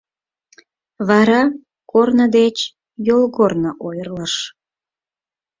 Вара корно деч йолгорно ойырлыш.